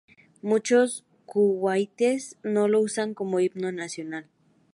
Muchos kuwaitíes no lo usan como himno nacional.